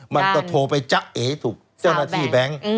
มันก็โทรไปจ๊ะเอถูกเจ้าหน้าที่แบงค์